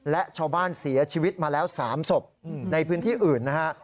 และชาวบ้านเสียชีวิตมาแล้ว๓ศพในพื้นที่อื่นนะฮะ